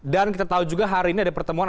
dan kita tahu juga hari ini ada pertemuan